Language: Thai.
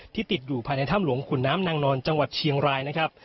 ติดอยู่ภายในถ้ำหลวงขุนน้ำนางนอนจังหวัดเชียงรายนะครับ